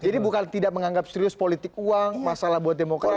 jadi bukan tidak menganggap serius politik uang masalah buat demokrasi